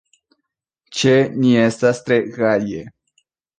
Ĉe ni estas tre gaje.